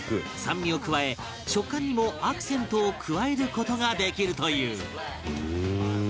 酸味を加え食感にもアクセントを加える事ができるという